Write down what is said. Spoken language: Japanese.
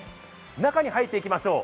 中に入っていきましょう。